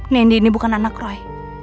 nendy ini bukan anak roy